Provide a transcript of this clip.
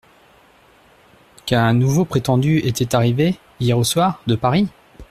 Qu’un nouveau prétendu était arrivé, hier au soir, de Paris ?